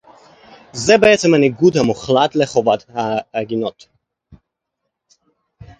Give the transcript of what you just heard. זה בעצם הניגוד המוחלט לחובת ההגינות